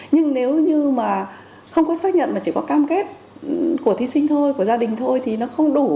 nhưng nếu như mà không có xác nhận mà chỉ có cam kết của thí sinh thôi của gia đình thôi thì nó không đủ